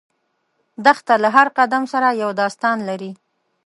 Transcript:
دښته له هر قدم سره یو داستان لري.